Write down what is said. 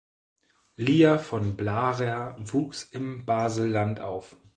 Lia von Blarer wuchs im Baselland auf.